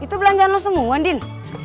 itu belanjaan lo semua andin